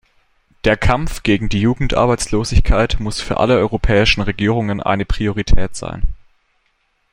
Der Kampf gegen die Jugendarbeitslosigkeit muss für alle europäischen Regierungen eine Priorität sein.